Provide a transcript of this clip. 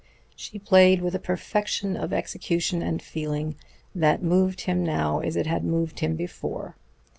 She played with a perfection of execution and feeling that moved him now as it had moved him before.